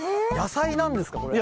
野菜なんですか？